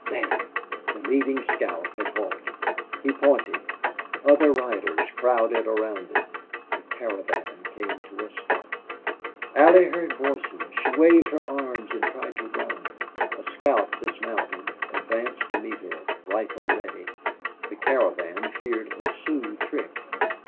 There! The leading scout had halted. He pointed. Other riders crowded around him. The caravan came to a stop. Allie heard voices. She waved her arms and tried to run. A scout dismounted, advanced to meet her, rifle ready. The caravan feared a Sioux trick.